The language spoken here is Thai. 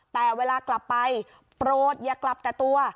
แต่เวลากลับไปโปรดอย่ากลับแต่ตัว